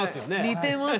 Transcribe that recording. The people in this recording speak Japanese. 似てますね。